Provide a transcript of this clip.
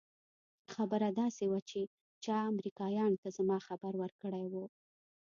خبره داسې وه چې چا امريکايانو ته زما خبر ورکړى و.